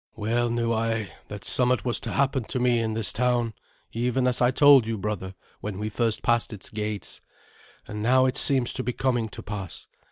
"Well knew I that somewhat was to happen to me in this town, even as I told you, brother, when we first passed its gates. And now it seems to be coming to pass.